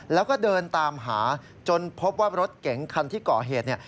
แล้วก็เดินตามหาจนพบว่ารถเก๋งคันที่ก่อเหตุเนี่ย